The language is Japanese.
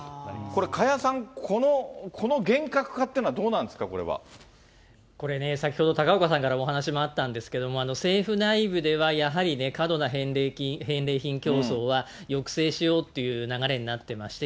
これ、加谷さん、この厳格化っていうのは、どうなんですか、これね、先ほど、高岡さんからもお話もあったんですけれども、政府内部ではやはりね、過度な返礼品競争は抑制しようっていう流れになってまして、